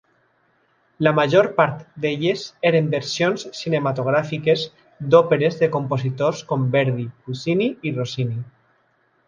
La major part d'elles eren versions cinematogràfiques d'òperes de compositors com Verdi, Puccini i Rossini.